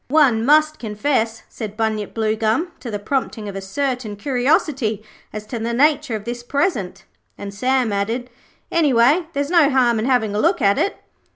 'One must confess,' said Bunyip Bluegum, 'to the prompting of a certain curiosity as to the nature of this present'; and Sam added, 'Anyway, there's no harm in having a look at it.'